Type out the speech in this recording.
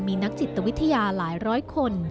มีนักจิตวิทยาหลายร้อยคน